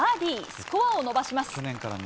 スコアを伸ばします。